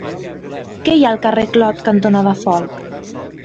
Què hi ha al carrer Clot cantonada Folc?